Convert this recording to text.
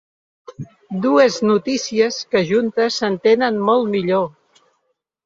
Dues notícies que juntes s’entenen molt millor.